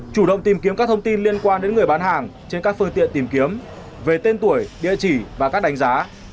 chủ động tìm kiếm các thông tin liên quan đến người bán hàng trên các phương tiện tìm kiếm về tên tuổi địa chỉ và các đánh giá